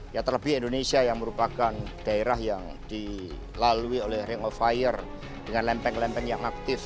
ya terlebih indonesia yang merupakan daerah yang dilalui oleh ring of fire dengan lempeng lempeng yang aktif